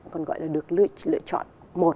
còn gọi là được lựa chọn một